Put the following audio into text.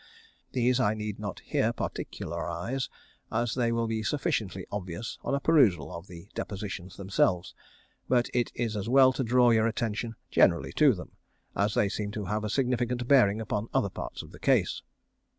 These I need not here particularise, as they will be sufficiently obvious on a perusal of the depositions themselves, but it is as well to draw your attention generally to them, as they seem to have a significant bearing upon other parts of the case.